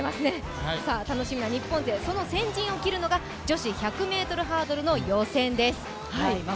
楽しみな日本勢、その先陣を切るのが女子１００ｍハードルの予選です。